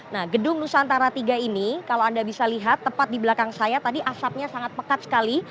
nah gedung nusantara tiga ini kalau anda bisa lihat tepat di belakang saya tadi asapnya sangat pekat sekali